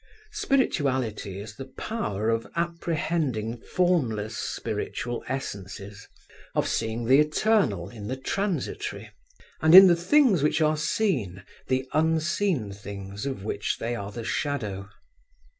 Spirituality is the power of apprehending formless spiritual essences, of seeing the eternal in the transitory, and in the things which are seen the unseen things of which they are the shadow.